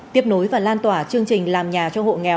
tiếp nối và lan tỏa chương trình